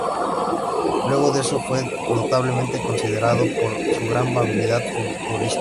Luego de eso fue notablemente considerado por su gran habilidad futbolística.